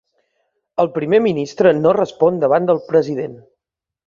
El Primer Ministre no respon davant del President.